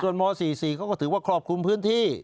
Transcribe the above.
ส่วนม๔๔เขาก็ถือว่าครอบคลุมพื้นที่